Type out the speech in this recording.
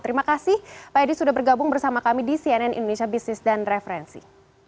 terima kasih pak edi sudah bergabung bersama kami di cnn indonesia business dan referensi